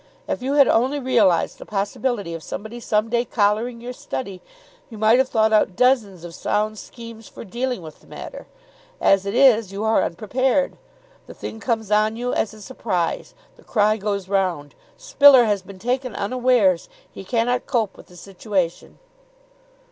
If you had only realised the possibility of somebody some day collaring your study, you might have thought out dozens of sound schemes for dealing with the matter. As it is, you are unprepared. The thing comes on you as a surprise. The cry goes round: 'Spiller has been taken unawares. He cannot cope with the situation.